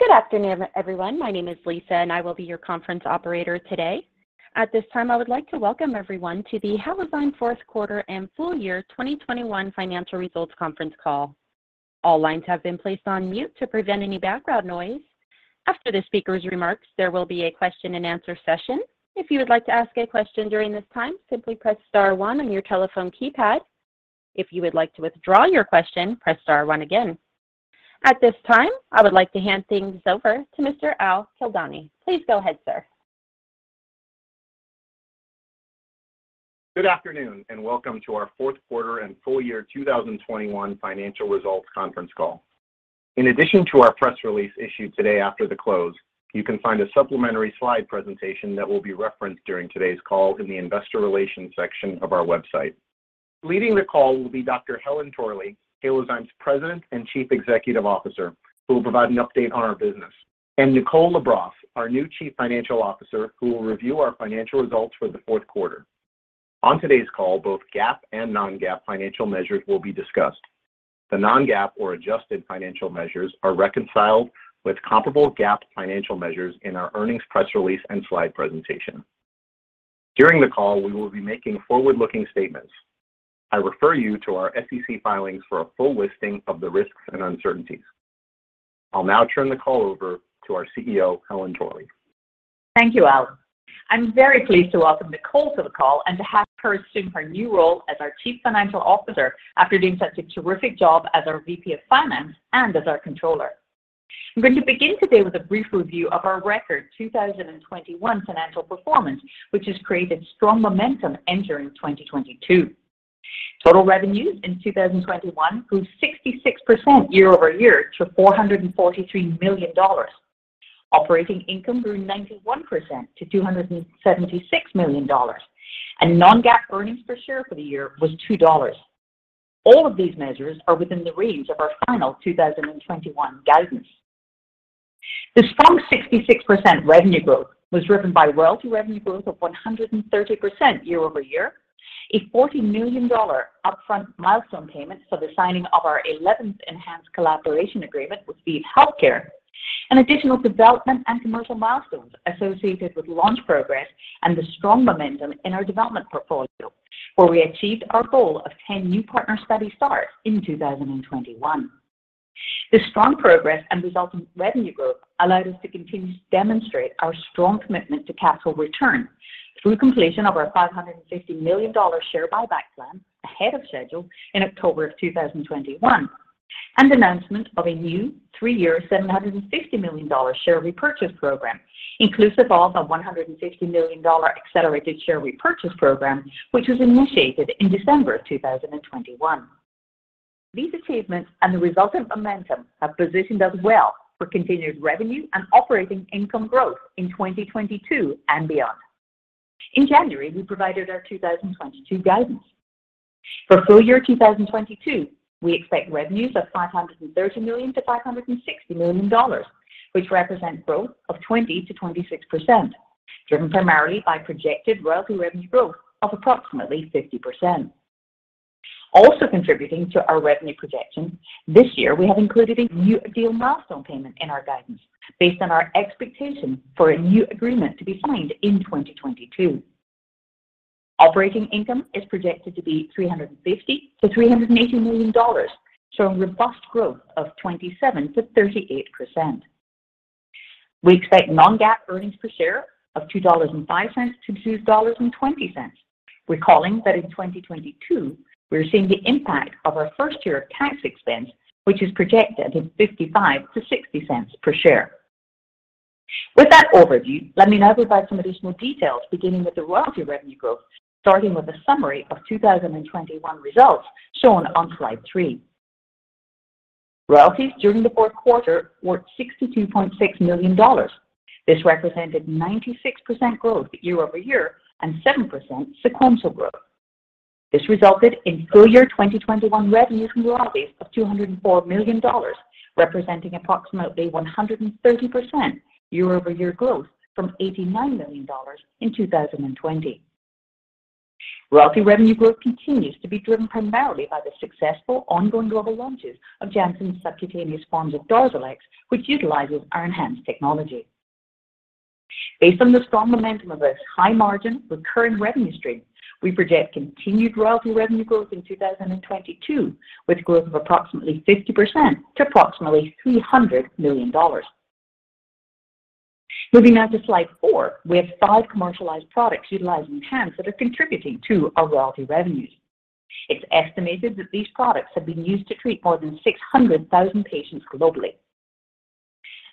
Good afternoon, everyone. My name is Lisa, and I will be your conference operator today. At this time, I would like to welcome everyone to the Halozyme fourth quarter and full year 2021 financial results conference call. All lines have been placed on mute to prevent any background noise. After the speaker's remarks, there will be a question-and-answer session. If you would like to ask a question during this time, simply press star one on your telephone keypad. If you would like to withdraw your question, press star one again. At this time, I would like to hand things over to Mr. Al Kildani. Please go ahead, sir. Good afternoon and welcome to our fourth quarter and full year 2021 financial results conference call. In addition to our press release issued today after the close, you can find a supplementary slide presentation that will be referenced during today's call in the investor relations section of our website. Leading the call will be Dr. Helen Torley, Halozyme's President and Chief Executive Officer, who will provide an update on our business, and Nicole LaBrosse, our new Chief Financial Officer, who will review our financial results for the fourth quarter. On today's call, both GAAP and non-GAAP financial measures will be discussed. The non-GAAP or adjusted financial measures are reconciled with comparable GAAP financial measures in our earnings press release and slide presentation. During the call, we will be making forward-looking statements. I refer you to our SEC filings for a full listing of the risks and uncertainties. I'll now turn the call over to our CEO, Helen Torley. Thank you, Al. I'm very pleased to welcome Nicole to the call and to have her assume her new role as our Chief Financial Officer after doing such a terrific job as our VP of Finance and as our Controller. I'm going to begin today with a brief review of our record 2021 financial performance, which has created strong momentum entering 2022. Total revenues in 2021 grew 66% year over year to $443 million. Operating income grew 91% to $276 million. Non-GAAP earnings per share for the year was $2. All of these measures are within the range of our final 2021 guidance. The strong 66% revenue growth was driven by royalty revenue growth of 130% year-over-year, a $40 million upfront milestone payment for the signing of our 11th ENHANZE collaboration agreement with ViiV Healthcare, and additional development and commercial milestones associated with launch progress and the strong momentum in our development portfolio, where we achieved our goal of 10 new partner study starts in 2021. The strong progress and resultant revenue growth allowed us to continue to demonstrate our strong commitment to capital return through completion of our $550 million share buyback plan ahead of schedule in October 2021 and announcement of a new three-year $750 million share repurchase program, inclusive of a $150 million accelerated share repurchase program, which was initiated in December 2021. These achievements and the resultant momentum have positioned us well for continued revenue and operating income growth in 2022 and beyond. In January, we provided our 2022 guidance. For full year 2022, we expect revenues of $530 million-$560 million, which represents growth of 20%-26%, driven primarily by projected royalty revenue growth of approximately 50%. Also contributing to our revenue projection, this year we have included a new deal milestone payment in our guidance based on our expectation for a new agreement to be signed in 2022. Operating income is projected to be $350 million-$380 million, showing robust growth of 27%-38%. We expect non-GAAP earnings per share of $2.05-$2.20. Recalling that in 2022 we're seeing the impact of our first year of tax expense, which is projected at 55-60 cents per share. With that overview, let me now provide some additional details, beginning with the royalty revenue growth, starting with a summary of 2021 results shown on slide three. Royalties during the fourth quarter were $62.6 million. This represented 96% growth year-over-year and 7% sequential growth. This resulted in full-year 2021 revenues from royalties of $204 million, representing approximately 130% year-over-year growth from $89 million in 2020. Royalty revenue growth continues to be driven primarily by the successful ongoing global launches of Janssen's subcutaneous forms of DARZALEX, which utilizes our ENHANZE technology. Based on the strong momentum of this high-margin recurring revenue stream, we project continued royalty revenue growth in 2022, with growth of approximately 50% to approximately $300 million. Moving on to slide four, we have five commercialized products utilizing ENHANZE that are contributing to our royalty revenues. It's estimated that these products have been used to treat more than 600,000 patients globally.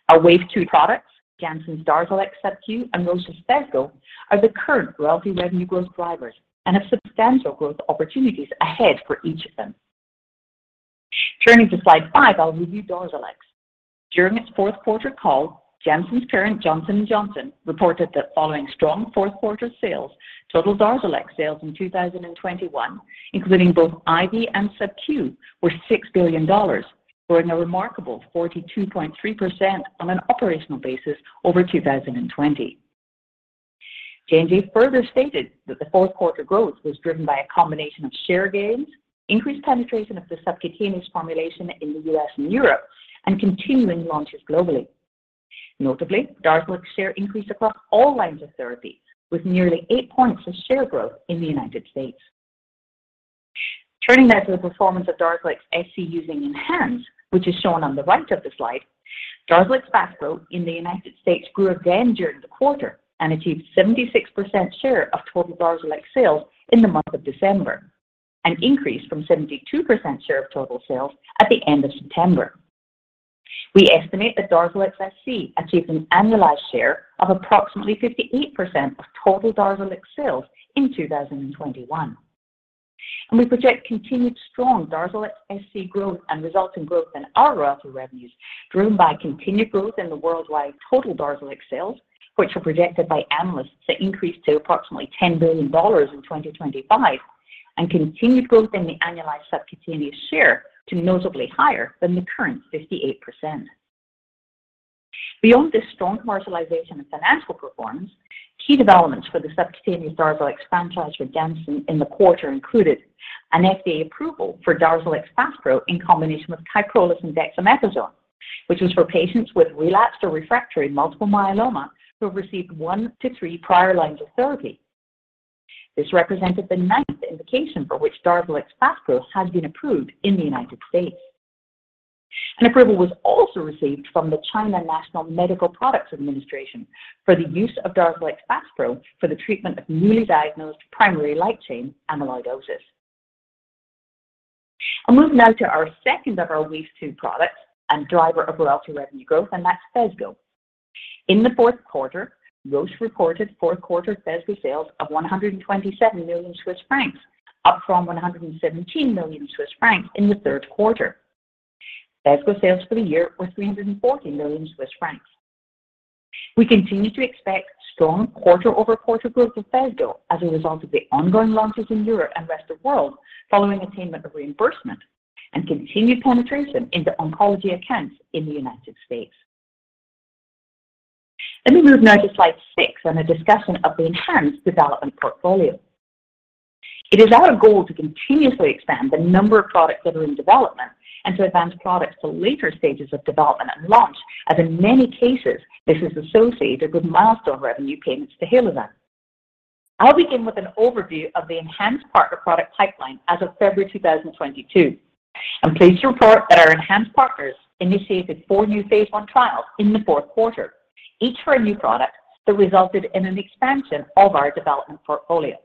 Our Wave 2 products, Janssen's DARZALEX Sub-Q and Roche's Phesgo, are the current royalty revenue growth drivers and have substantial growth opportunities ahead for each of them. Turning to slide five, I'll review DARZALEX. During its fourth quarter call, Janssen's parent, Johnson & Johnson, reported that following strong fourth quarter sales, total DARZALEX sales in 2021, including both IV and Sub-Q, were $6 billion, growing a remarkable 42.3% on an operational basis over 2020. J&J further stated that the fourth quarter growth was driven by a combination of share gains, increased penetration of the subcutaneous formulation in the U.S. and Europe, and continuing launches globally. Notably, DARZALEX share increased across all lines of therapy, with nearly eight points of share growth in the United States. Turning now to the performance of DARZALEX SC using ENHANZE, which is shown on the right of the slide, DARZALEX FASPRO in the United States grew again during the quarter and achieved 76% share of total DARZALEX sales in the month of December, an increase from 72% share of total sales at the end of September. We estimate that DARZALEX SC achieved an annualized share of approximately 58% of total DARZALEX sales in 2021. We project continued strong DARZALEX SC growth and resulting growth in our royalty revenues, driven by continued growth in the worldwide total DARZALEX sales, which are projected by analysts to increase to approximately $10 billion in 2025, and continued growth in the annualized subcutaneous share to notably higher than the current 58%. Beyond the strong commercialization and financial performance, key developments for the subcutaneous DARZALEX franchise for Janssen in the quarter included an FDA approval for DARZALEX FASPRO in combination with Kyprolis and dexamethasone, which was for patients with relapsed or refractory multiple myeloma who have received one to three prior lines of therapy. This represented the ninth indication for which DARZALEX FASPRO has been approved in the United States. A approval was also received from the China National Medical Products Administration for the use of DARZALEX FASPRO for the treatment of newly diagnosed primary light chain amyloidosis. Moving now to our second of our Wave 2 products and driver of royalty revenue growth, that's Phesgo. In the fourth quarter, Roche reported fourth quarter Phesgo sales of 127 million Swiss francs, up from 117 million Swiss francs in the third quarter. Phesgo sales for the year were 340 million Swiss francs. We continue to expect strong quarter-over-quarter growth of Phesgo as a result of the ongoing launches in Europe and rest of world following attainment of reimbursement and continued penetration into oncology accounts in the United States. Let me move now to slide six and a discussion of the ENHANZE development portfolio. It is our goal to continuously expand the number of products that are in development and to advance products to later stages of development and launch, as in many cases, this is associated with milestone revenue payments to Halozyme. I'll begin with an overview of the ENHANZE partner product pipeline as of February 2022. I'm pleased to report that our ENHANZE partners initiated four new phase I trials in the fourth quarter, each for a new product that resulted in an expansion of our development portfolio.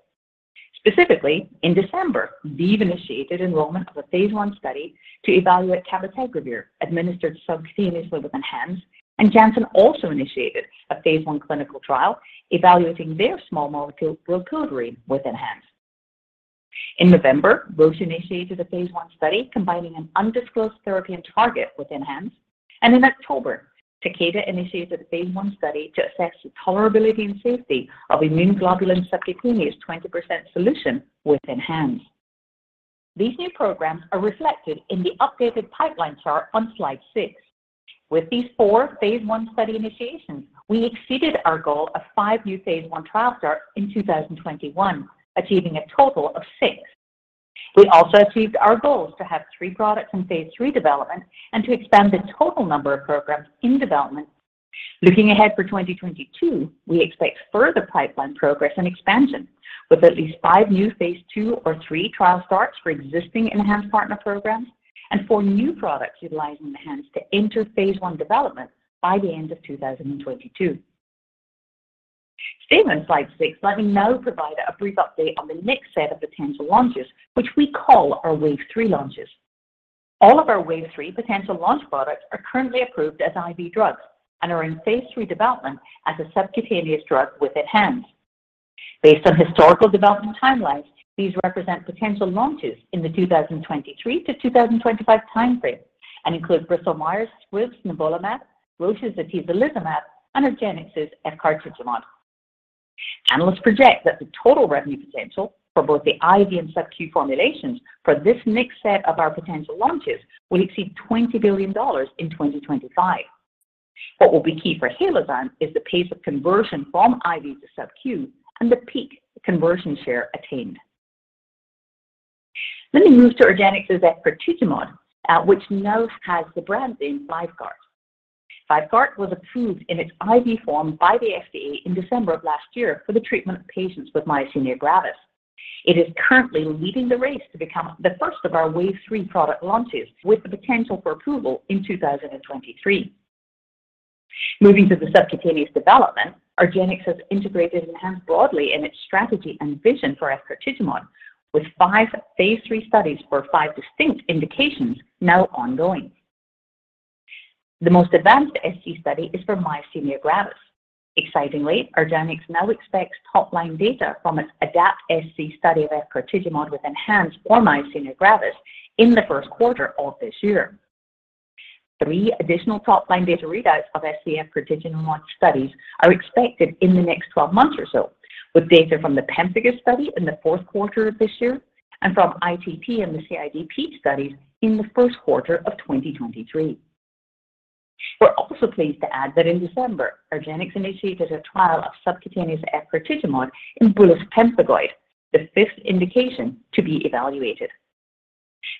Specifically, in December, ViiV initiated enrollment of a phase I study to evaluate cabotegravir administered subcutaneously with ENHANZE, and Janssen also initiated a phase I clinical trial evaluating their small molecule glucagon receptor antagonist with ENHANZE. In November, Roche initiated a phase I study combining an undisclosed therapy and target with ENHANZE. In October, Takeda initiated a phase I study to assess the tolerability and safety of immune globulin subcutaneous 20% solution with ENHANZE. These new programs are reflected in the updated pipeline chart on slide six. With these four phase I study initiations, we exceeded our goal of five new phase I trial starts in 2021, achieving a total of six. We also achieved our goals to have three products in phase III development and to expand the total number of programs in development. Looking ahead for 2022, we expect further pipeline progress and expansion, with at least five new phase II or III trial starts for existing ENHANZE partner programs and four new products utilizing ENHANZE to enter phase I development by the end of 2022. Staying on slide six, let me now provide a brief update on the next set of potential launches, which we call our Wave 3 launches. All of our Wave 3 potential launch products are currently approved as IV drugs and are in phase III development as a subcutaneous drug with ENHANZE. Based on historical development timelines, these represent potential launches in the 2023-2025 time frame and include Bristol Myers Squibb's nivolumab, Roche's atezolizumab, and argenx's efgartigimod. Analysts project that the total revenue potential for both the IV and subQ formulations for this next set of our potential launches will exceed $20 billion in 2025. What will be key for Halozyme is the pace of conversion from IV to subQ and the peak conversion share attained. Let me move to argenx's efgartigimod, which now has the brand name VYVGART. VYVGART was approved in its IV form by the FDA in December of last year for the treatment of patients with myasthenia gravis. It is currently leading the race to become the first of our Wave 3 product launches with the potential for approval in 2023. Moving to the subcutaneous development, argenx has integrated ENHANZE broadly in its strategy and vision for efgartigimod, with five phase III studies for five distinct indications now ongoing. The most advanced SC study is for myasthenia gravis. Excitingly, argenx now expects top-line data from its ADAPT-SC study of efgartigimod with ENHANZE for myasthenia gravis in the first quarter of this year. Three additional top-line data readouts of SC efgartigimod studies are expected in the next 12 months or so, with data from the pemphigus study in the fourth quarter of this year and from ITP and the CIDP studies in the first quarter of 2023. We're also pleased to add that in December, argenx initiated a trial of subcutaneous efgartigimod in bullous pemphigoid, the fifth indication to be evaluated.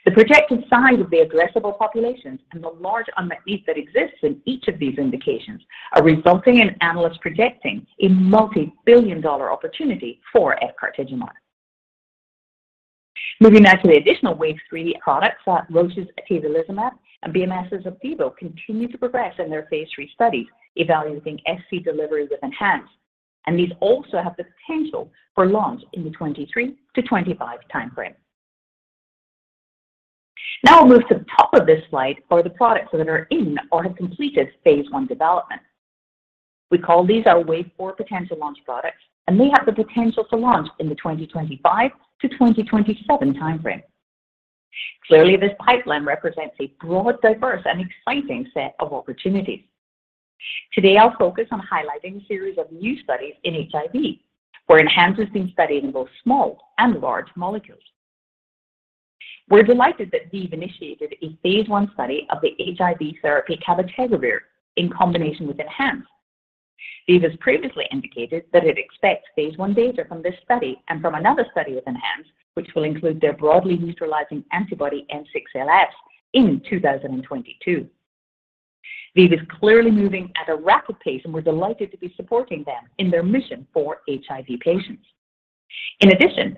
The projected size of the addressable populations and the large unmet need that exists in each of these indications are resulting in analysts projecting a multi-billion dollar opportunity for efgartigimod. Moving now to the additional Wave 3 products, Roche's atezolizumab and BMS's Opdivo continue to progress in their phase III studies evaluating SC delivery with ENHANZE, and these also have the potential for launch in the 2023-2025 time frame. Now I'll move to the top of this slide for the products that are in or have completed phase I development. We call these our Wave 4 potential launch products, and they have the potential to launch in the 2025-2027 time frame. Clearly, this pipeline represents a broad, diverse, and exciting set of opportunities. Today, I'll focus on highlighting a series of new studies in HIV, where ENHANZE is being studied in both small and large molecules. We're delighted that ViiV initiated a phase I study of the HIV therapy cabotegravir in combination with ENHANZE. ViiV has previously indicated that it expects phase I data from this study and from another study with ENHANZE, which will include their broadly neutralizing antibody N6LS in 2022. ViiV is clearly moving at a rapid pace, and we're delighted to be supporting them in their mission for HIV patients. In addition,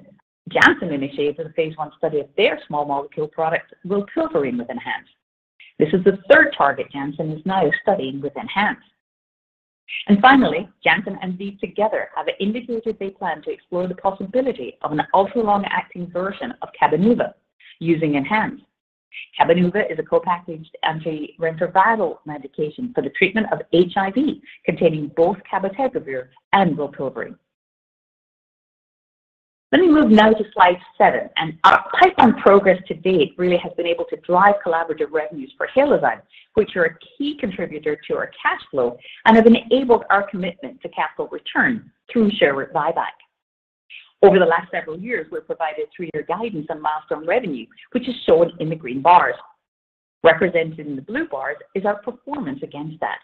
Janssen initiated a phase I study of their small molecule product, rilpivirine, with ENHANZE. This is the third target Janssen is now studying with ENHANZE. Finally, Janssen and ViiV together have indicated they plan to explore the possibility of an ultra-long-acting version of Cabenuva using ENHANZE. Cabenuva is a co-packaged antiretroviral medication for the treatment of HIV containing both cabotegravir and rilpivirine. Let me move now to slide seven, and our pipeline progress to date really has been able to drive collaborative revenues for Halozyme, which are a key contributor to our cash flow and have enabled our commitment to capital return through share buyback. Over the last several years, we've provided three-year guidance on milestone revenue, which is shown in the green bars. Represented in the blue bars is our performance against that.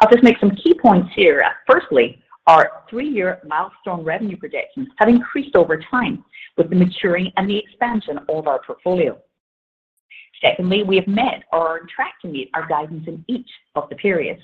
I'll just make some key points here. Firstly, our three-year milestone revenue projections have increased over time with the maturing and the expansion of our portfolio. Secondly, we have met or are on track to meet our guidance in each of the periods.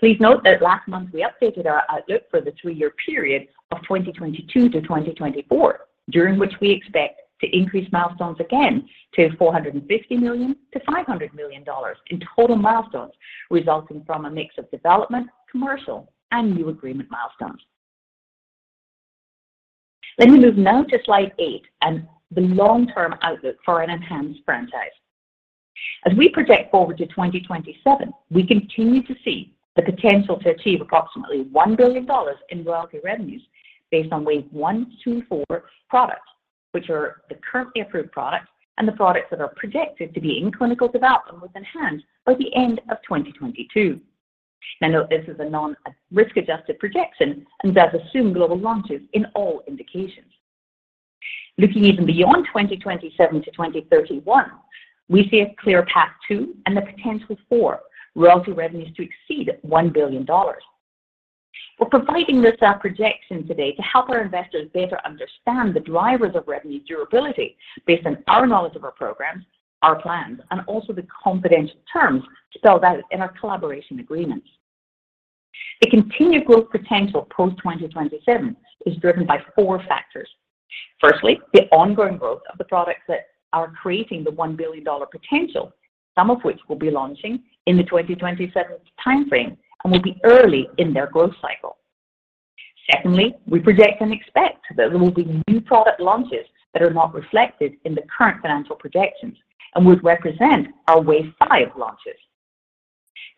Please note that last month we updated our outlook for the three-year period of 2022-2024, during which we expect to increase milestones again to $450 million-$500 million in total milestones resulting from a mix of development, commercial, and new agreement milestones. Let me move now to slide eight and the long-term outlook for our ENHANZE franchise. As we project forward to 2027, we continue to see the potential to achieve approximately $1 billion in royalty revenues based on Wave 1 through four products, which are the currently approved products and the products that are projected to be in clinical development with ENHANZE by the end of 2022. Now note this is a non-risk-adjusted projection and does assume global launches in all indications. Looking even beyond 2027 to 2031, we see a clear path to and the potential for royalty revenues to exceed $1 billion. We're providing this projection today to help our investors better understand the drivers of revenue durability based on our knowledge of our programs, our plans, and also the confidential terms spelled out in our collaboration agreements. The continued growth potential post 2027 is driven by four factors. Firstly, the ongoing growth of the products that are creating the $1 billion potential, some of which will be launching in the 2027 time frame and will be early in their growth cycle. Secondly, we project and expect that there will be new product launches that are not reflected in the current financial projections and would represent our Wave 5 launches.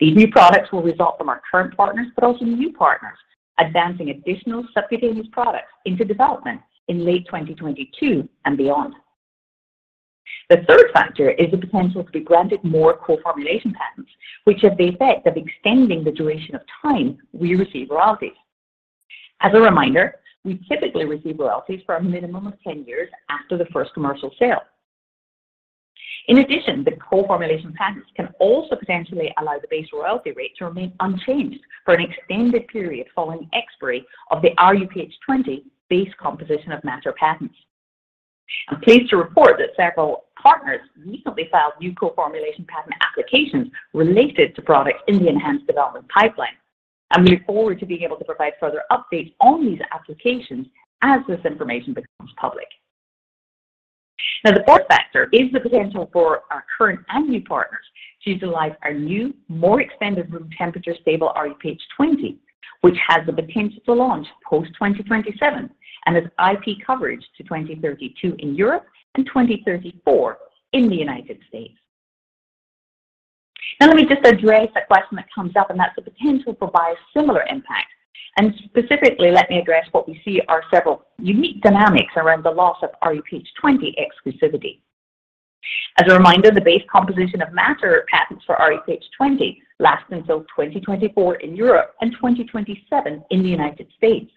These new products will result from our current partners, but also new partners advancing additional subcutaneous products into development in late 2022 and beyond. The third factor is the potential to be granted more co-formulation patents, which have the effect of extending the duration of time we receive royalties. As a reminder, we typically receive royalties for a minimum of 10 years after the first commercial sale. In addition, the co-formulation patents can also potentially allow the base royalty rate to remain unchanged for an extended period following expiry of the rHuPH20 base composition of matter patents. I'm pleased to report that several partners recently filed new co-formulation patent applications related to products in the ENHANZE development pipeline. I look forward to being able to provide further updates on these applications as this information becomes public. Now, the fourth factor is the potential for our current and new partners to utilize our new, more extended room temperature stable rHuPH20, which has the potential to launch post 2027 and has IP coverage to 2032 in Europe and 2034 in the United States. Now, let me just address a question that comes up, and that's the potential for biosimilar impact, and specifically, let me address what we see are several unique dynamics around the loss of rHuPH20 exclusivity. As a reminder, the base composition of matter patents for rHuPH20 last until 2024 in Europe and 2027 in the United States.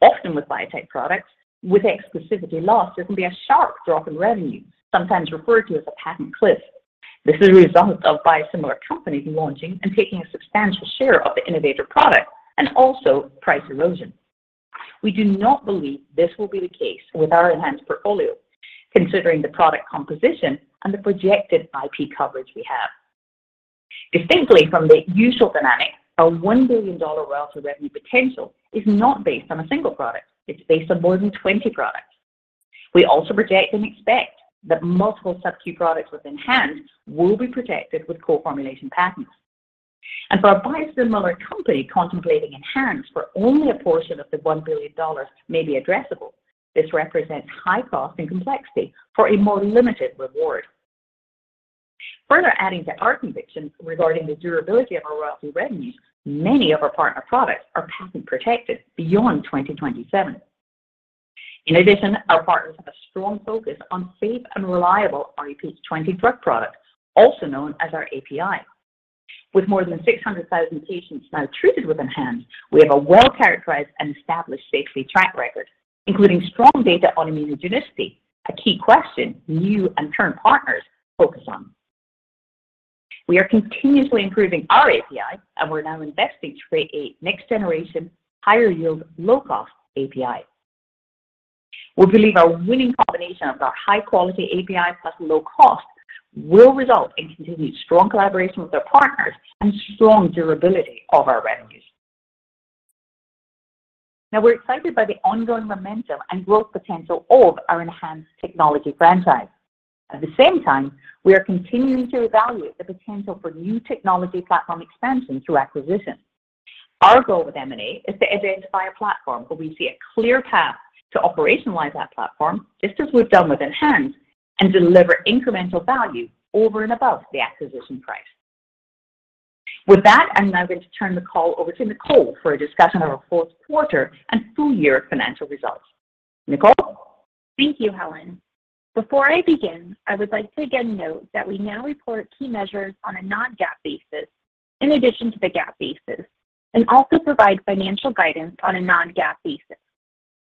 Often with biotech products, with exclusivity lost, there can be a sharp drop in revenue, sometimes referred to as a patent cliff. This is a result of biosimilar companies launching and taking a substantial share of the innovator product and also price erosion. We do not believe this will be the case with our ENHANZE portfolio considering the product composition and the projected IP coverage we have. Distinctly from the usual dynamic, our $1 billion royalty revenue potential is not based on a single product. It's based on more than 20 products. We also project and expect that multiple SubQ products with ENHANZE will be protected with core formulation patents. For a biosimilar company contemplating ENHANZE for only a portion of the $1 billion may be addressable. This represents high cost and complexity for a more limited reward. Further adding to our conviction regarding the durability of our royalty revenue, many of our partner products are patent-protected beyond 2027. In addition, our partners have a strong focus on safe and reliable rHuPH20 drug products, also known as our API. With more than 600,000 patients now treated with ENHANZE, we have a well-characterized and established safety track record, including strong data on immunogenicity, a key question new and current partners focus on. We are continuously improving our API, and we're now investing to create a next-generation, higher-yield, low-cost API. We believe our winning combination of our high-quality API plus low cost will result in continued strong collaboration with our partners and strong durability of our revenues. Now we're excited by the ongoing momentum and growth potential of our ENHANZE technology franchise. At the same time, we are continuing to evaluate the potential for new technology platform expansion through acquisition. Our goal with M&A is to identify a platform where we see a clear path to operationalize that platform, just as we've done with ENHANZE, and deliver incremental value over and above the acquisition price. With that, I'm now going to turn the call over to Nicole for a discussion of our fourth quarter and full year financial results. Nicole? Thank you, Helen. Before I begin, I would like to again note that we now report key measures on a non-GAAP basis in addition to the GAAP basis and also provide financial guidance on a non-GAAP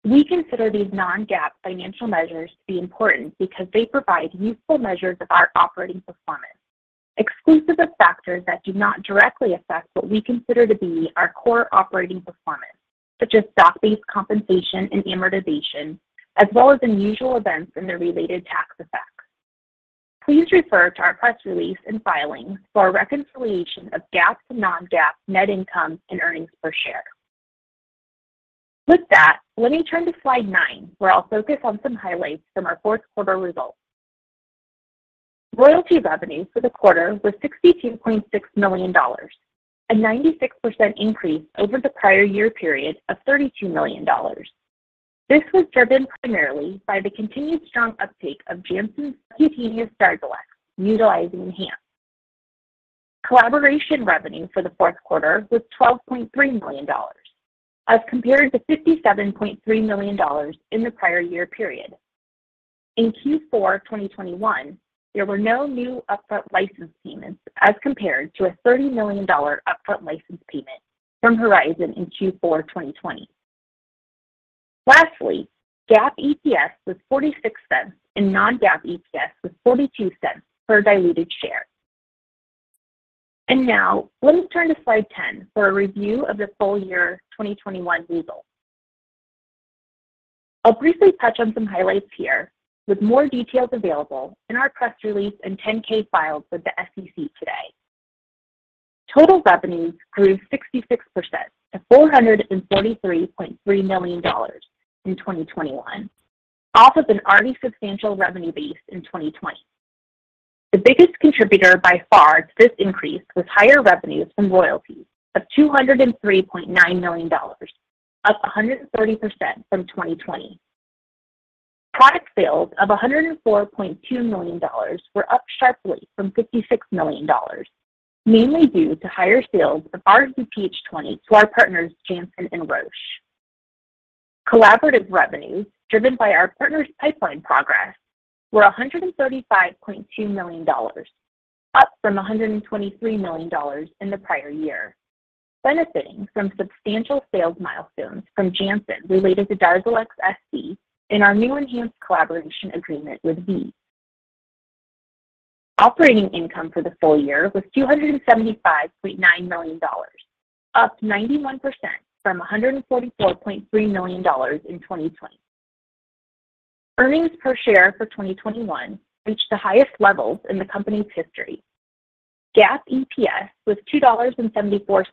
basis. We consider these non-GAAP financial measures to be important because they provide useful measures of our operating performance, exclusive of factors that do not directly affect what we consider to be our core operating performance, such as stock-based compensation and amortization, as well as unusual events and their related tax effects. Please refer to our press release and filings for a reconciliation of GAAP to non-GAAP net income and earnings per share. With that, let me turn to slide nine, where I'll focus on some highlights from our fourth quarter results. Royalty revenue for the quarter was $62.6 million, a 96% increase over the prior year period of $32 million. This was driven primarily by the continued strong uptake of Janssen's DARZALEX FASPRO utilizing ENHANZE. Collaboration revenue for the fourth quarter was $12.3 million, as compared to $57.3 million in the prior year period. In Q4 2021, there were no new upfront license payments as compared to a $30 million upfront license payment from Horizon in Q4 2020. Lastly, GAAP EPS was $0.46 and non-GAAP EPS was $0.42 per diluted share. Now let me turn to slide 10 for a review of the full year 2021 results. I'll briefly touch on some highlights here with more details available in our press release and 10-K filed with the SEC today. Total revenues grew 66% to $443.3 million in 2021, off of an already substantial revenue base in 2020. The biggest contributor by far to this increase was higher revenues from royalties of $203.9 million, up 130% from 2020. Product sales of $104.2 million were up sharply from $56 million, mainly due to higher sales of our rHuPH20 to our partners, Janssen and Roche. Collaborative revenues, driven by our partners' pipeline progress, were $135.2 million, up from $123 million in the prior year, benefiting from substantial sales milestones from Janssen related to DARZALEX sc and our new enhanced collaboration agreement with ViiV. Operating income for the full year was $275.9 million, up 91% from $144.3 million in 2020. Earnings per share for 2021 reached the highest levels in the company's history. GAAP EPS was $2.74,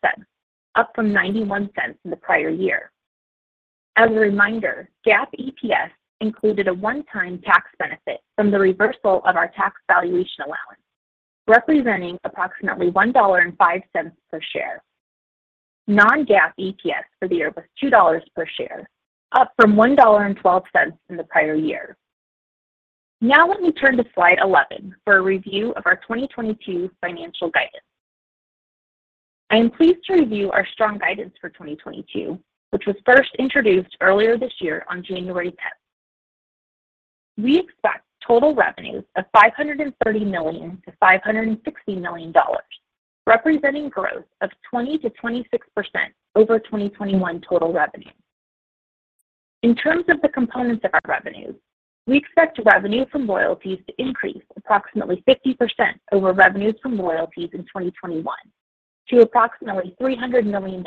up from $0.91 in the prior year. As a reminder, GAAP EPS included a one-time tax benefit from the reversal of our tax valuation allowance, representing approximately $1.05 per share. Non-GAAP EPS for the year was $2.00 per share, up from $1.12 in the prior year. Now let me turn to slide 11 for a review of our 2022 financial guidance. I am pleased to review our strong guidance for 2022, which was first introduced earlier this year on January 10th. We expect total revenues of $530 million-$560 million, representing growth of 20%-26% over 2021 total revenue. In terms of the components of our revenues, we expect revenue from royalties to increase approximately 50% over revenues from royalties in 2021 to approximately $300 million.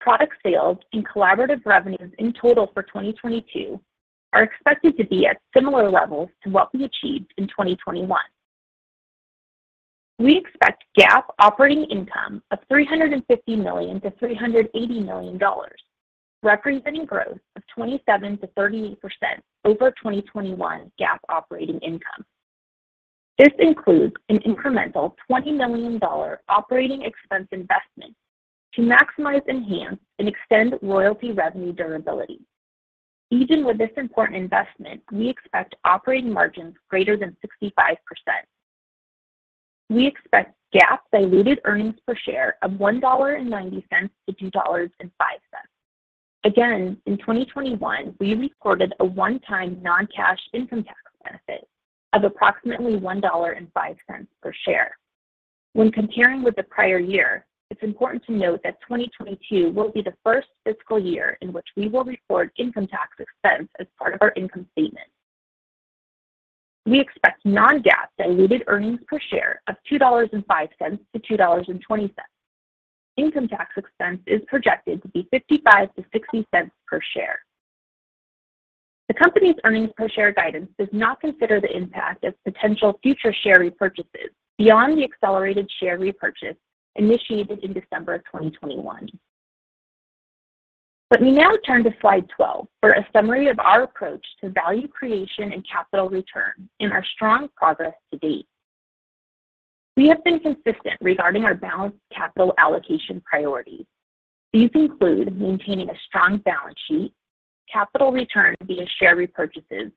Product sales and collaborative revenues in total for 2022 are expected to be at similar levels to what we achieved in 2021. We expect GAAP operating income of $350 million-$380 million, representing growth of 27%-38% over 2021 GAAP operating income. This includes an incremental $20 million operating expense investment to maximize, enhance, and extend royalty revenue durability. Even with this important investment, we expect operating margins greater than 65%. We expect GAAP diluted earnings per share of $1.90-$2.05. Again, in 2021, we reported a one-time non-cash income tax benefit of approximately $1.05 per share. When comparing with the prior year, it's important to note that 2022 will be the first fiscal year in which we will record income tax expense as part of our income statement. We expect non-GAAP diluted earnings per share of $2.05-$2.20. Income tax expense is projected to be $0.55-$0.60 per share. The company's earnings per share guidance does not consider the impact of potential future share repurchases beyond the accelerated share repurchase initiated in December 2021. Let me now turn to slide 12 for a summary of our approach to value creation and capital return and our strong progress to date. We have been consistent regarding our balanced capital allocation priorities. These include maintaining a strong balance sheet, capital return via share repurchases,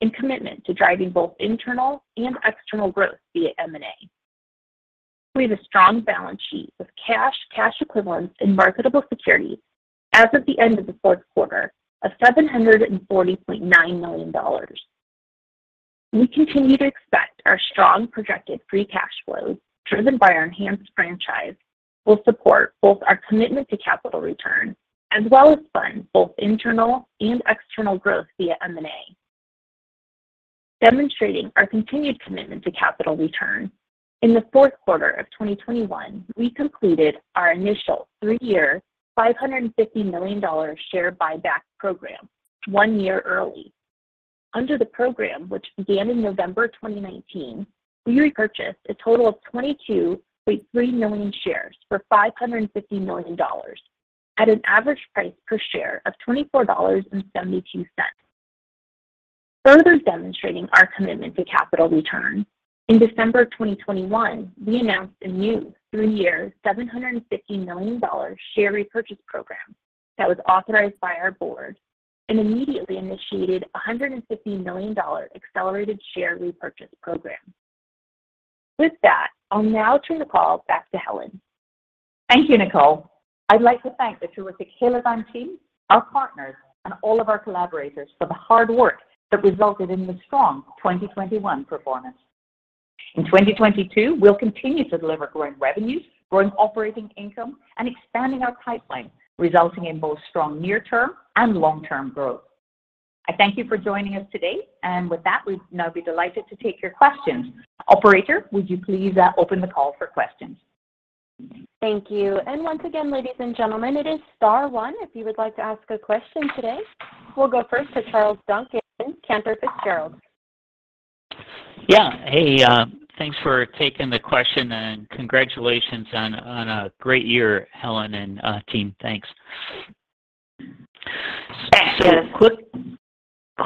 and commitment to driving both internal and external growth via M&A. We have a strong balance sheet with cash equivalents, and marketable securities as of the end of the fourth quarter of $740.9 million. We continue to expect our strong projected free cash flows, driven by our enhanced franchise, will support both our commitment to capital return as well as fund both internal and external growth via M&A. Demonstrating our continued commitment to capital return, in the fourth quarter of 2021, we completed our initial three-year, $550 million share buyback program one year early. Under the program, which began in November 2019, we repurchased a total of 22.3 million shares for $550 million at an average price per share of $24.72. Further demonstrating our commitment to capital return, in December 2021, we announced a new three-year, $750 million share repurchase program that was authorized by our board and immediately initiated a $150 million accelerated share repurchase program. With that, I'll now turn the call back to Helen. Thank you, Nicole. I'd like to thank the terrific Halozyme team, our partners, and all of our collaborators for the hard work that resulted in the strong 2021 performance. In 2022, we'll continue to deliver growing revenues, growing operating income, and expanding our pipeline, resulting in both strong near-term and long-term growth. I thank you for joining us today, and with that, we'd now be delighted to take your questions. Operator, would you please open the call for questions? Thank you. Once again, ladies and gentlemen, it is star one if you would like to ask a question today. We'll go first to Charles Duncan, Cantor Fitzgerald. Yeah. Hey, thanks for taking the question, and congratulations on a great year, Helen and team. Thanks. Thanks, Charles.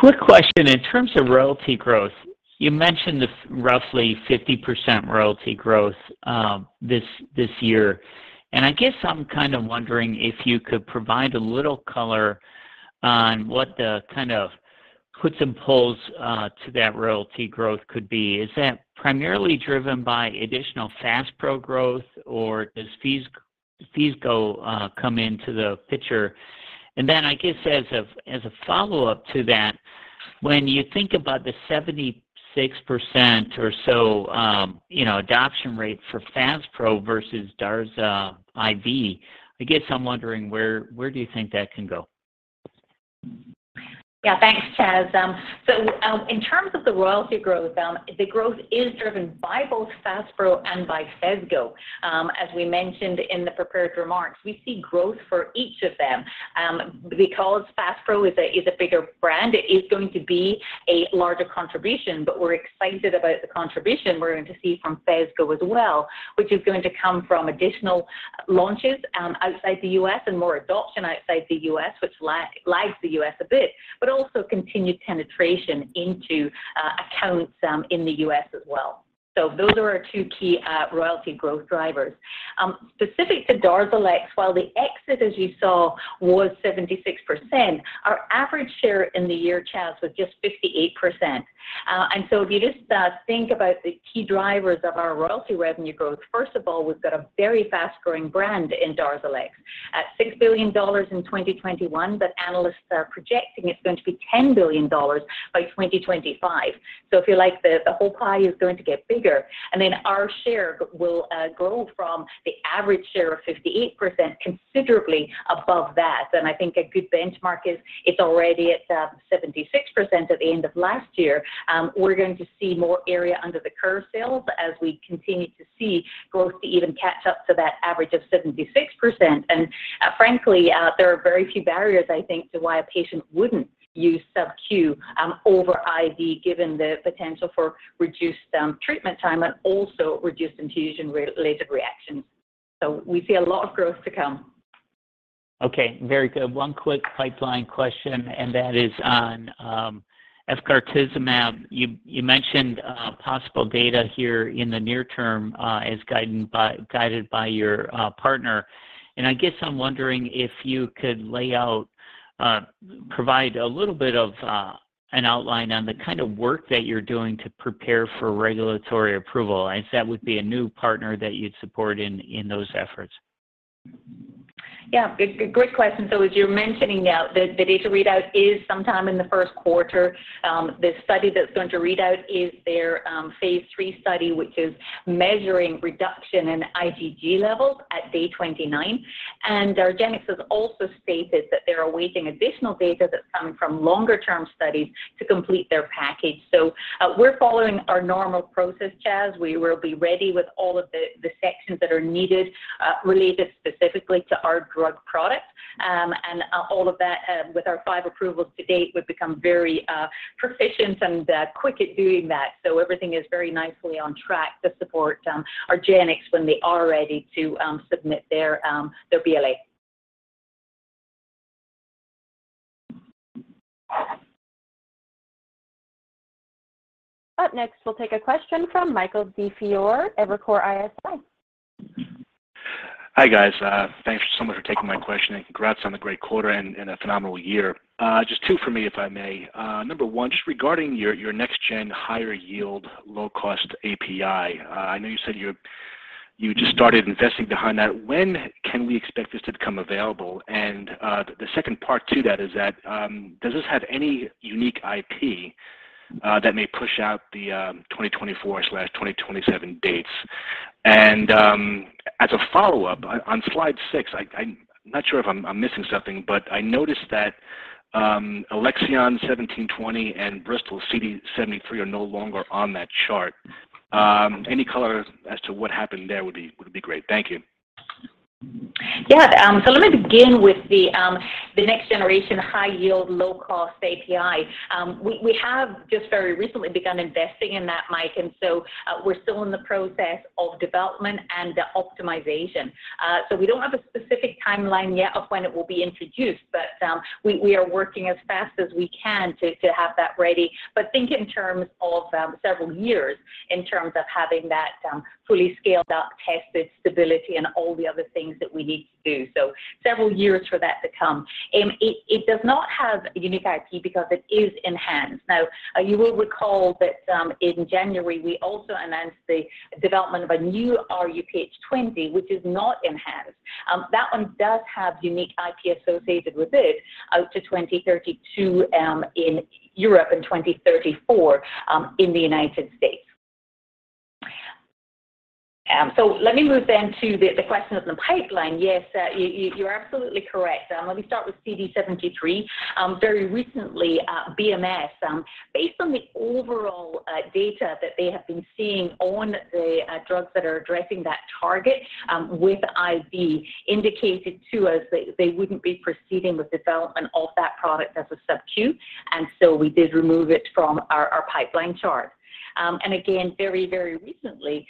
Quick question. In terms of royalty growth, you mentioned the roughly 50% royalty growth this year, and I guess I'm kind of wondering if you could provide a little color on what the kind of puts and pulls to that royalty growth could be. Is that primarily driven by additional FASPRO growth, or does Phesgo come into the picture? As a follow-up to that, when you think about the 76% or so you know adoption rate for FASPRO versus DARZALEX IV, I guess I'm wondering where you think that can go? Yeah. Thanks, Charles. In terms of the royalty growth, the growth is driven by both FASPRO and by Phesgo. As we mentioned in the prepared remarks, we see growth for each of them. Because FASPRO is a bigger brand, it is going to be a larger contribution. We're excited about the contribution we're going to see from Phesgo as well, which is going to come from additional launches outside the U.S. and more adoption outside the U.S. which lags the U.S. a bit, but also continued penetration into accounts in the U.S. as well. Those are our two key royalty growth drivers. Specific to DARZALEX, while the exit, as you saw, was 76%, our average share in the year, Chaz, was just 58%. If you just think about the key drivers of our royalty revenue growth, first of all, we've got a very fast-growing brand in DARZALEX at $6 billion in 2021, but analysts are projecting it's going to be $10 billion by 2025. If you like, the whole pie is going to get bigger, and then our share will grow from the average share of 58% considerably above that. I think a good benchmark is it's already at 76% at the end of last year. We're going to see more area under the curve sales as we continue to see growth even catch up to that average of 76%. Frankly, there are very few barriers, I think, to why a patient wouldn't use SubQ over IV, given the potential for reduced treatment time and also reduced infusion-related reactions. We see a lot of growth to come. Okay, very good. One quick pipeline question, and that is on eculizumab. You mentioned possible data here in the near term, as guided by your partner. I guess I'm wondering if you could lay out, provide a little bit of an outline on the kind of work that you're doing to prepare for regulatory approval, as that would be a new partner that you'd support in those efforts. Yeah, great question. As you're mentioning now, the data readout is sometime in the first quarter. The study that's going to read out is their phase III study, which is measuring reduction in IgG levels at day 29. argenx has also stated that they are awaiting additional data that's coming from longer-term studies to complete their package. We're following our normal process, Chaz. We will be ready with all of the sections that are needed, related specifically to our drug product. All of that, with our five approvals to date, we've become very proficient and quick at doing that. Everything is very nicely on track to support argenx when they are ready to submit their BLA. Up next, we'll take a question from Michael DiFiore, Evercore ISI. Hi, guys. Thanks so much for taking my question, and congrats on the great quarter and a phenomenal year. Just two for me, if I may. One, just regarding your next gen higher yield, low cost API. I know you said you just started investing behind that. When can we expect this to become available? And the second part to that is that, does this have any unique IP that may push out the 2024/2027 dates? And as a follow-up, on slide six, I'm not sure if I'm missing something, but I noticed that ALXN1720 and Bristol CD73 are no longer on that chart. Any color as to what happened there would be great. Thank you. Let me begin with the next generation high yield, low cost API. We have just very recently begun investing in that, Mike, and we're still in the process of development and optimization. We don't have a specific timeline yet of when it will be introduced, but we are working as fast as we can to have that ready. Think in terms of several years in terms of having that fully scaled up, tested stability and all the other things that we need to do. Several years for that to come. It does not have unique IP because it is enhanced. Now, you will recall that in January, we also announced the development of a new rHuPH20, which is not enhanced. That one does have unique IP associated with it out to 2032 in Europe and 2034 in the United States. Let me move to the question of the pipeline. Yes, you're absolutely correct. Let me start with CD73. Very recently, BMS based on the overall data that they have been seeing on the drugs that are addressing that target with IV indicated to us that they wouldn't be proceeding with development of that product as a SubQ. We did remove it from our pipeline chart. Again, very recently,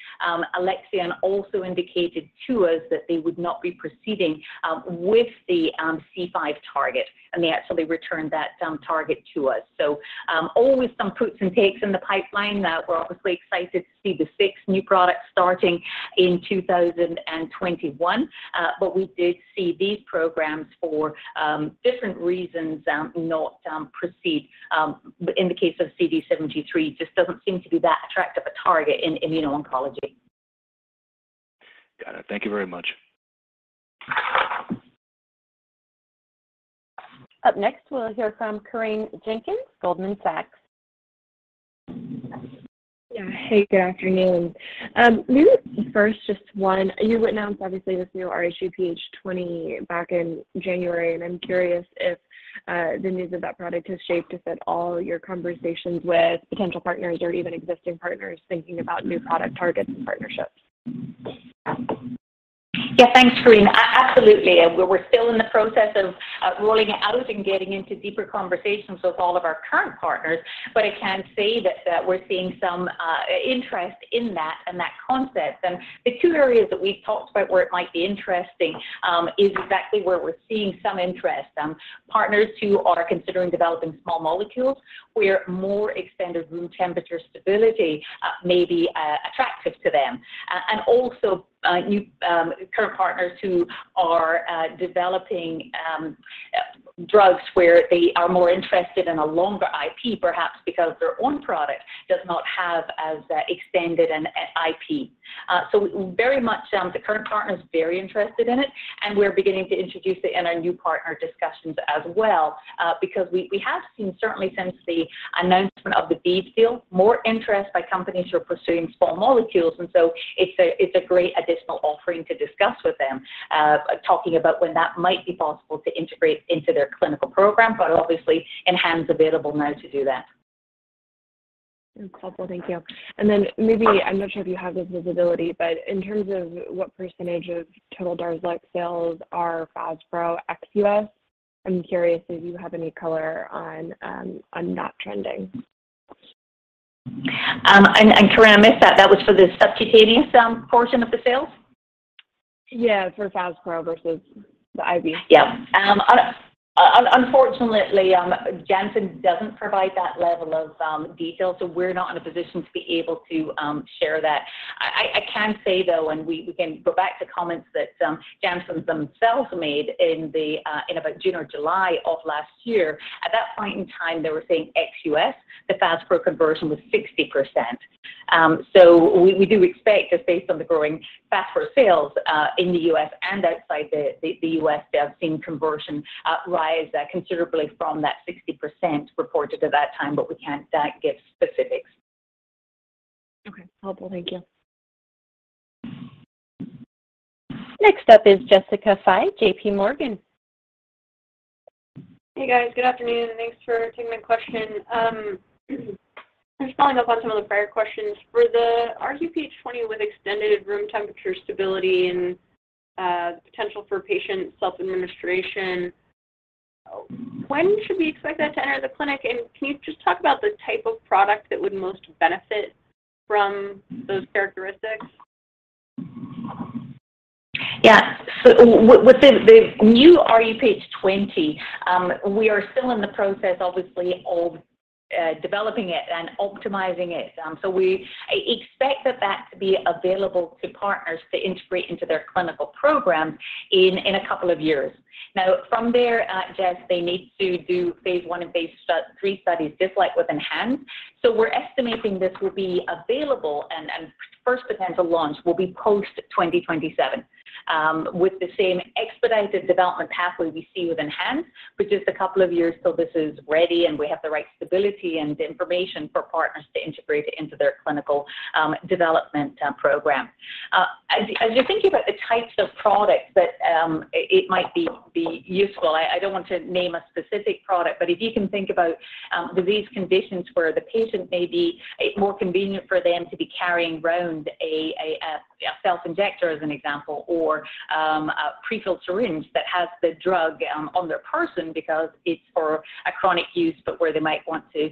Alexion also indicated to us that they would not be proceeding with the C5 target, and they actually returned that target to us. Always some puts and takes in the pipeline. We're obviously excited to see the six new products starting in 2021. We did see these programs for different reasons not proceed. In the case of CD73, just doesn't seem to be that attractive a target in immuno-oncology. Got it. Thank you very much. Up next, we'll hear from Corinne Jenkins, Goldman Sachs. Yeah. Hey, good afternoon. Maybe first just one. You announced obviously this new rHuPH20 back in January, and I'm curious if the news of that product has shaped, if at all, your conversations with potential partners or even existing partners thinking about new product targets and partnerships. Yeah. Thanks, Corinne. Absolutely. We're still in the process of rolling it out and getting into deeper conversations with all of our current partners. I can say that we're seeing some interest in that and that concept. The two areas that we've talked about where it might be interesting is exactly where we're seeing some interest, partners who are considering developing small molecules where more extended room temperature stability may be attractive to them. Also, new current partners who are developing drugs where they are more interested in a longer IP, perhaps because their own product does not have as extended an IP. Very much, the current partner is very interested in it, and we're beginning to introduce it in our new partner discussions as well, because we have seen certainly since the announcement of the ViiV deal, more interest by companies who are pursuing small molecules. It's a great additional offering to discuss with them, talking about when that might be possible to integrate into their clinical program, but obviously ENHANZE available now to do that. That's helpful. Thank you. Maybe, I'm not sure if you have the visibility, but in terms of what percentage of total DARZALEX sales are FASPRO ex-U.S., I'm curious if you have any color on that trending? Corinne, I missed that. That was for the subcutaneous portion of the sales? Yeah, for FASPRO versus the IV. Yeah. Unfortunately, Janssen doesn't provide that level of detail, so we're not in a position to be able to share that. I can say, though, and we can go back to comments that Janssen themselves made in about June or July of last year. At that point in time, they were saying ex-U.S., the FASPRO conversion was 60%. So we do expect that based on the growing FASPRO sales in the U.S. and outside the U.S., they have seen conversion rise considerably from that 60% reported at that time, but we can't give specifics. Okay. Helpful. Thank you. Next up is Jessica Fye, JPMorgan. Hey, guys. Good afternoon. Thanks for taking my question. Just following up on some of the prior questions. For the rHuPH20 with extended room temperature stability and potential for patient self-administration, when should we expect that to enter the clinic? And can you just talk about the type of product that would most benefit from those characteristics? Yeah. With the new rHuPH20, we are still in the process, obviously, of developing it and optimizing it. We expect that to be available to partners to integrate into their clinical program in a couple of years. Now, from there, Jess, they need to do phase I and phase III studies, just like with ENHANZE. We're estimating this will be available and first potential launch will be post-2027, with the same expedited development pathway we see with ENHANZE, which is a couple of years till this is ready and we have the right stability and information for partners to integrate it into their clinical development program. As you're thinking about the types of products that it might be useful, I don't want to name a specific product, but if you can think about disease conditions where it may be more convenient for them to be carrying around a self-injector as an example or a prefilled syringe that has the drug on their person because it's for a chronic use, but where they might want to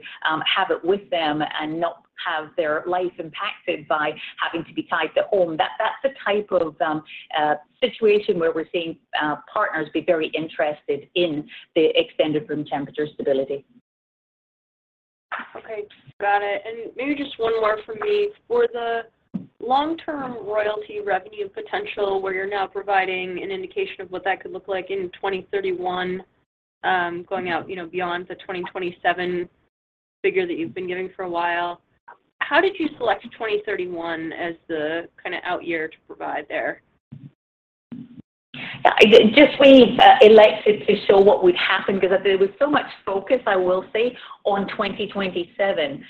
have it with them and not have their life impacted by having to be tied to home, that's the type of situation where we're seeing partners be very interested in the extended room temperature stability. Okay. Got it. Maybe just one more from me. For the long-term royalty revenue potential, where you're now providing an indication of what that could look like in 2031, going out, you know, beyond the 2027 figure that you've been giving for a while, how did you select 2031 as the kinda out year to provide there? We elected to show what would happen because there was so much focus, I will say, on 2027.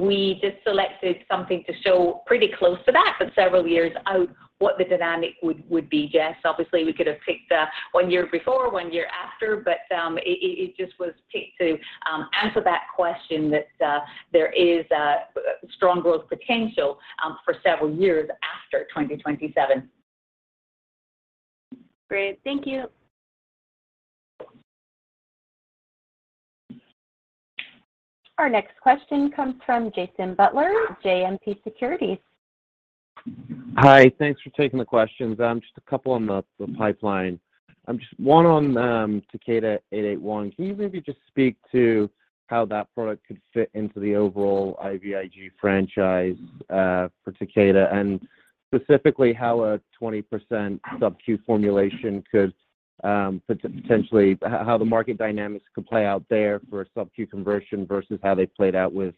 We just selected something to show pretty close to that, but several years out what the dynamic would be, Jess. Obviously, we could have picked one year before, one year after, but it just was picked to answer that question that there is strong growth potential for several years after 2027. Great. Thank you. Our next question comes from Jason Butler, JMP Securities. Hi. Thanks for taking the questions. Just a couple on the pipeline. Just one on TAK-881. Can you maybe just speak to how that product could fit into the overall IVIG franchise for Takeda, and specifically how a 20% SubQ formulation could potentially how the market dynamics could play out there for a SubQ conversion versus how they played out with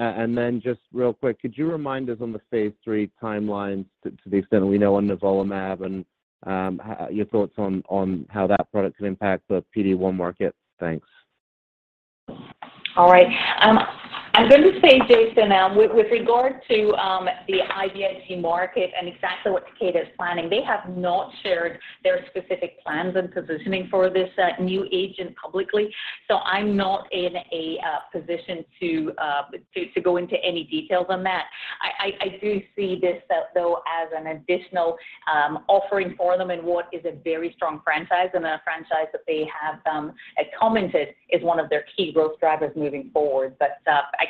HyQvia. Just real quick, could you remind us on the phase III timelines to the extent that we know on nivolumab and your thoughts on how that product could impact the PD-1 market? Thanks. All right. I'm going to say, Jason, with regard to the IVIG market and exactly what Takeda is planning, they have not shared their specific plans and positioning for this new agent publicly. So I'm not in a position to go into any details on that. I do see this though as an additional offering for them in what is a very strong franchise and a franchise that they have commented is one of their key growth drivers moving forward. But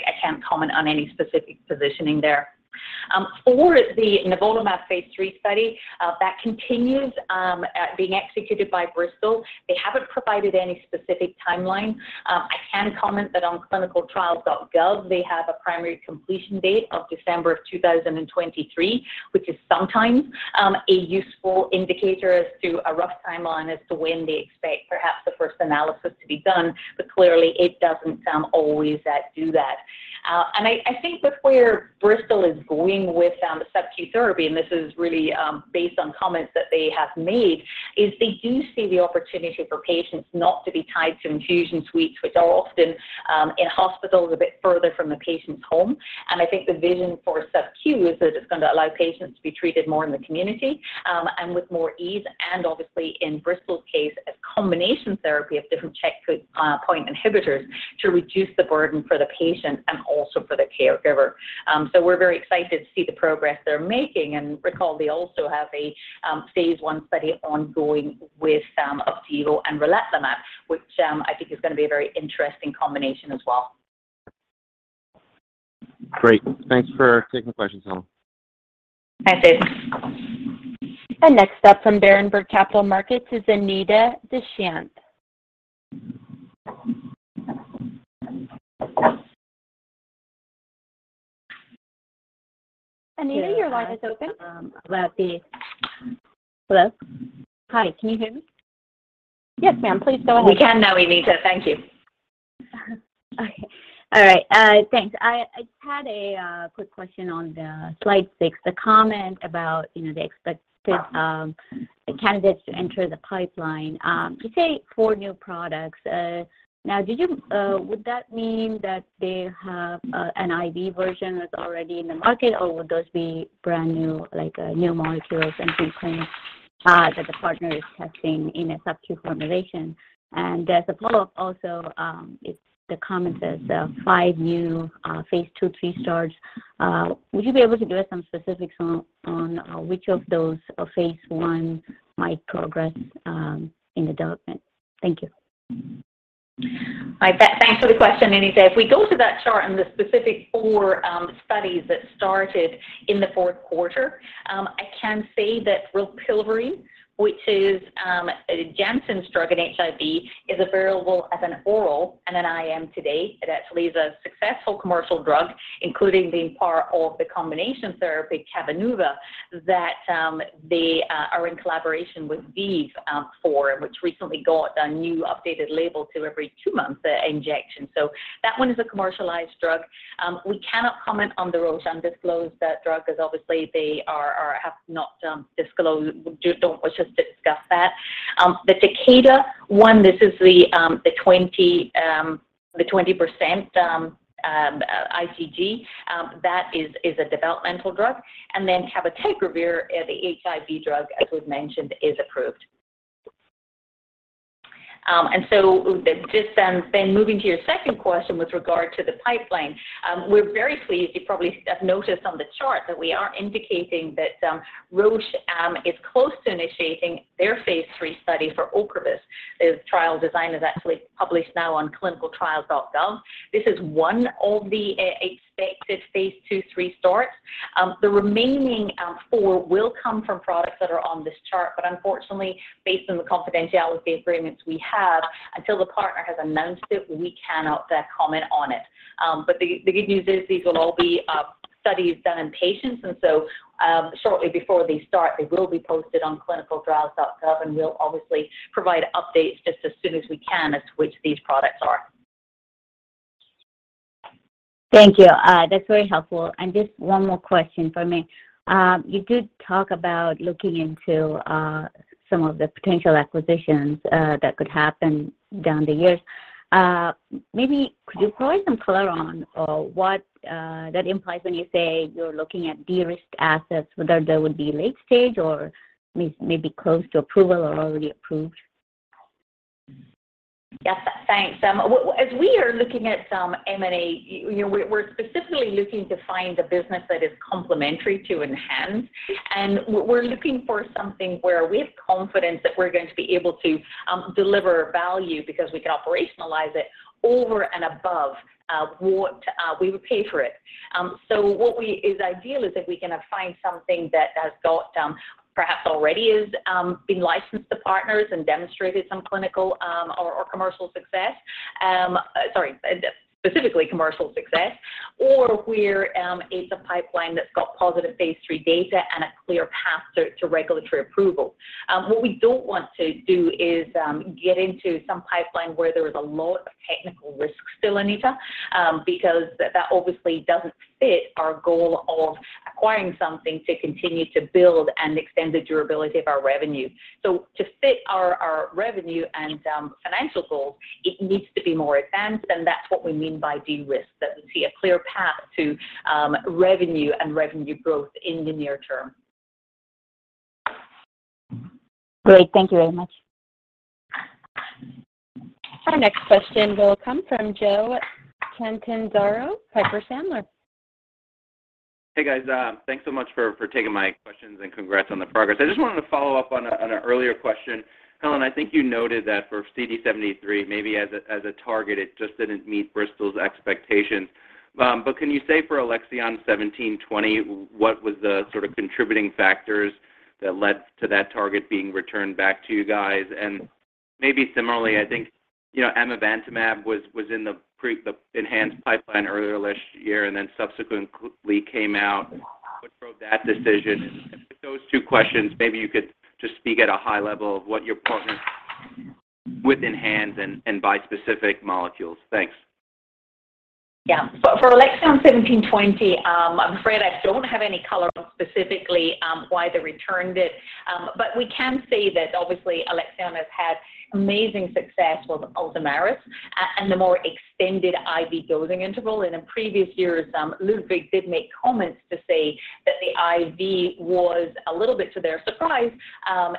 I can't comment on any specific positioning there. For the nivolumab phase III study, that continues as being executed by Bristol. They haven't provided any specific timeline. I can comment that on clinicaltrials.gov, they have a primary completion date of December 2023, which is sometimes a useful indicator as to a rough timeline as to when they expect perhaps the first analysis to be done, but clearly it doesn't always do that. I think that where Bristol is going with the subQ therapy, and this is really based on comments that they have made, is they do see the opportunity for patients not to be tied to infusion suites, which are often in hospitals a bit further from the patient's home. I think the vision for subQ is that it's gonna allow patients to be treated more in the community, and with more ease, and obviously in Bristol's case, a combination therapy of different checkpoint inhibitors to reduce the burden for the patient and also for the caregiver. We're very excited to see the progress they're making. Recall they also have a phase I study ongoing with Opdivo and relatlimab, which I think is gonna be a very interesting combination as well. Great. Thanks for taking the question, Helen. Thanks. Next up from Berenberg Capital Markets is Anita Dushyanth. Anita, your line is open. Hello? Hi, can you hear me? Yes, ma'am. Please go ahead. We can now, Anita. Thank you. Okay. All right. Thanks. I had a quick question on slide six, the comment about, you know, the expected candidates to enter the pipeline. You say four new products. Now would that mean that they have an IV version that's already in the market, or would those be brand new, like new molecules and new claims that the partner is testing in a subQ formulation? As a follow-up, if the comment says there are five new phase II, III starts, would you be able to give us some specifics on which of those phase I might progress in development? Thank you. Thanks for the question, Anita. If we go to that chart and the specific 4 studies that started in the fourth quarter, I can say that rilpivirine, which is Janssen's drug in HIV, is available as an oral and an IM today. It actually is a successful commercial drug, including being part of the combination therapy Cabenuva that they are in collaboration with ViiV for, which recently got a new updated label to every two month injection. That one is a commercialized drug. We cannot comment on the Roche undisclosed drug as obviously they have not disclosed. We don't wish to discuss that. The Takeda one, this is the 20% IVIG that is a developmental drug. Then abacavir, the HIV drug, as we've mentioned, is approved. Moving to your second question with regard to the pipeline, we're very pleased. You probably have noticed on the chart that we are indicating that Roche is close to initiating their phase III study for Ocrevus. The trial design is actually published now on clinicaltrials.gov. This is one of the expected phase II, III starts. The remaining four will come from products that are on this chart, but unfortunately, based on the confidentiality agreements we have, until the partner has announced it, we cannot comment on it. The good news is these will all be studies done in patients, and shortly before they start, they will be posted on clinicaltrials.gov, and we'll obviously provide updates just as soon as we can as to which these products are. Thank you. That's very helpful. Just one more question for me. You did talk about looking into some of the potential acquisitions that could happen down the years. Maybe could you provide some color on what that implies when you say you're looking at de-risked assets, whether they would be late stage or maybe close to approval or already approved? Yes. Thanks. As we are looking at some M&A, you know, we're specifically looking to find a business that is complementary to ENHANZE, and we're looking for something where we have confidence that we're going to be able to deliver value because we can operationalize it over and above what we would pay for it. What is ideal is if we can find something that has got perhaps already been licensed to partners and demonstrated some clinical or commercial success, specifically commercial success, or where it's a pipeline that's got positive phase III data and a clear path to regulatory approval. What we don't want to do is get into some pipeline where there is a lot of technical risk still, Anita, because that obviously doesn't fit our goal of acquiring something to continue to build and extend the durability of our revenue. To fit our revenue and financial goals, it needs to be more advanced, and that's what we mean by de-risk, that we see a clear path to revenue and revenue growth in the near term. Great. Thank you very much. Our next question will come from Joe Catanzaro, Piper Sandler. Hey, guys. Thanks so much for taking my questions and congrats on the progress. I just wanted to follow up on an earlier question. Helen, I think you noted that for CD73 maybe as a target, it just didn't meet Bristol's expectations. But can you say for ALXN1720, what was the sort of contributing factors that led to that target being returned back to you guys? And maybe similarly, I think, you know, amivantamab was in the ENHANZE pipeline earlier last year and then subsequently came out. What drove that decision? Those two questions, maybe you could just speak at a high level of what your partners with ENHANZE and bispecific molecules. Thanks. Yeah. For Alexion 1720, I'm afraid I don't have any color on specifically why they returned it. We can say that obviously Alexion has had amazing success with ULTOMIRIS and the more extended IV dosing interval. In previous years, Ludwig did make comments to say that the IV was, a little bit to their surprise,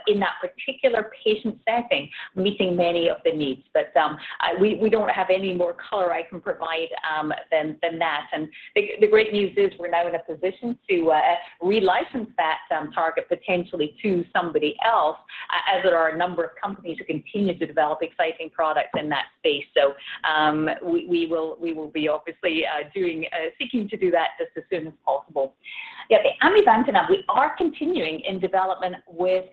in that particular patient setting, meeting many of the needs. We don't have any more color I can provide than that. The great news is we're now in a position to relicense that target potentially to somebody else as there are a number of companies who continue to develop exciting products in that space. We will be obviously seeking to do that just as soon as possible. Yeah. Amivantamab, we are continuing in development with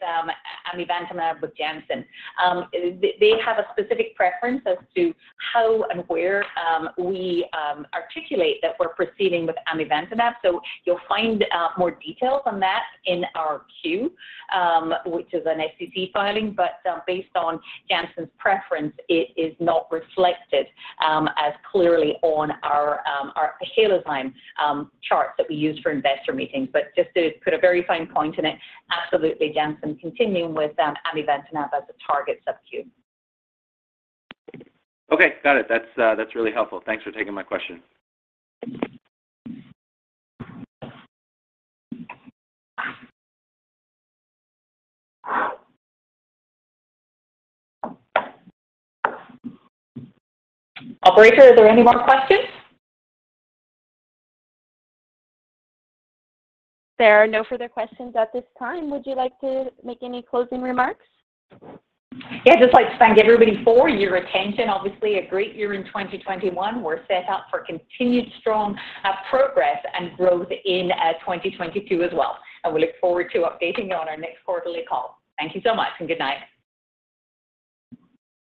amivantamab with Janssen. They have a specific preference as to how and where we articulate that we're proceeding with amivantamab. You'll find more details on that in our Q, which is an SEC filing. Based on Janssen's preference, it is not reflected as clearly on our Halozyme charts that we use for investor meetings. Just to put a very fine point in it, absolutely Janssen continuing with amivantamab as a target sub-Q. Okay. Got it. That's really helpful. Thanks for taking my question. Operator, are there any more questions? There are no further questions at this time. Would you like to make any closing remarks? Yeah, I'd just like to thank everybody for your attention. Obviously, a great year in 2021. We're set up for continued strong progress and growth in 2022 as well, and we look forward to updating you on our next quarterly call. Thank you so much and good night.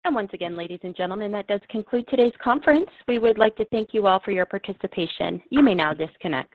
Once again, ladies and gentlemen, that does conclude today's conference. We would like to thank you all for your participation. You may now disconnect.